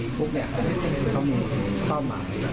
ไม่ใช่แค่เรื่องนี้เดินเวียงเรื่องเบื้องหลังทั้งหมด